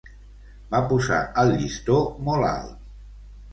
Va posar el llistó molt alt.